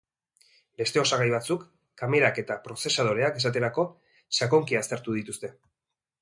Beste osagai batzuk, kamerak eta prozesadoreak esaterako, sakonki aztertu dituzte.